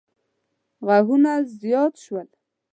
غږونه زیات شول.